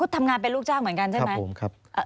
ทำงานเป็นลูกจ้างเหมือนกันใช่ไหม